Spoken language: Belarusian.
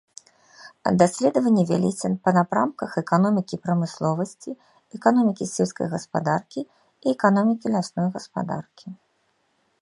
Даследаванні вяліся па напрамках эканомікі прамысловасці, эканомікі сельскай гаспадаркі і эканомікі лясной гаспадаркі.